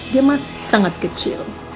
dia masih sangat kecil